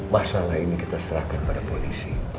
masalah ini kita serahkan pada polisi